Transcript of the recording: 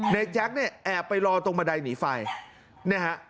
ในแจ๊กเนี่ยแอบไปรอตรงบันไดหนีไฟ